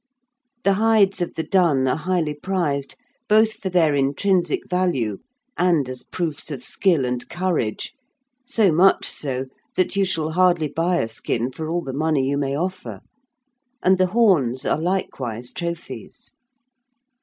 The hides of the dun are highly prized, both for their intrinsic value, and as proofs of skill and courage, so much so that you shall hardly buy a skin for all the money you may offer; and the horns are likewise trophies.